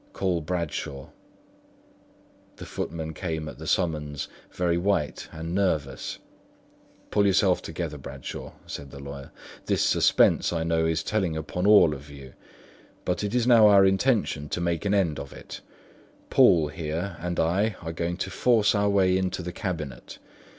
Call Bradshaw." The footman came at the summons, very white and nervous. "Pull yourself together, Bradshaw," said the lawyer. "This suspense, I know, is telling upon all of you; but it is now our intention to make an end of it. Poole, here, and I are going to force our way into the cabinet.